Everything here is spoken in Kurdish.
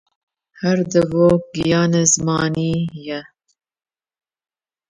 Her devok, giyanê zimanî ye.